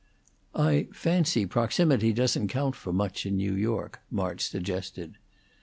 "I fancy proximity doesn't count for much in New York," March suggested.